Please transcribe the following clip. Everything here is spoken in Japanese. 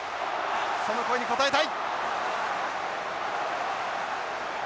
その声に応えたい！